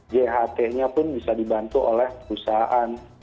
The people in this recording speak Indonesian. jht nya pun bisa dibantu oleh perusahaan